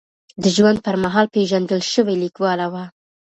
د ژوند پر مهال پېژندل شوې لیکواله وه.